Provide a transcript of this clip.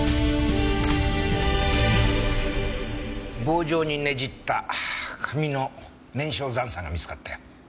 棒状にねじった紙の燃焼残渣が見つかったよ。